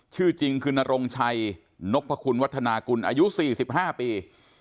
ชื่อจริงคือนรงชัยนกพระคุณวัฒนากุลอายุสี่สิบห้าปี